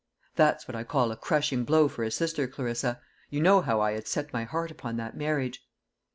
That's what I call a crushing blow for a sister, Clarissa. You know how I had set my heart upon that marriage."